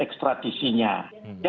menolak meratifikasi perjanjian ekstradisinya